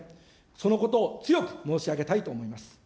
そのことを強く申し上げたいと思います。